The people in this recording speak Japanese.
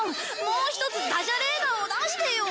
もう１つダジャレーダーを出してよ！